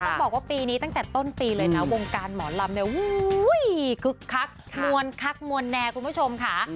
ต้องบอกว่าปีนี้ตั้งแต่ต้นปีเลยนะวงการหมอลำเนี่ยคึกคักมวลคักมวลแน่คุณผู้ชมค่ะ